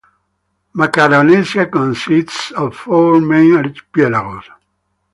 Macaronesia consists of four main archipelagos.